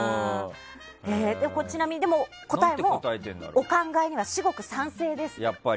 ちなみに、答えもお考えには、しごく賛成です。